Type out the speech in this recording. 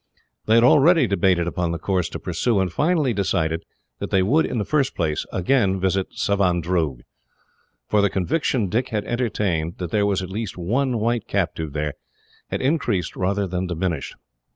They had already debated upon the course to pursue, and finally decided that they would, in the first place, again visit Savandroog; for the conviction Dick had entertained, that there was at least one white captive there, had increased rather than diminished.